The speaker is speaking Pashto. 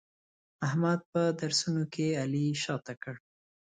احمد په درسونو کې علي شاته کړ.